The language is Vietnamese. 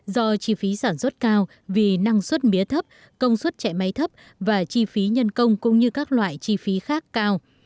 do chi phí sản xuất cao vì năng suất mía thấp công suất chạy máy thấp và chi phí nhân công cũng như các loại chi phí khác cao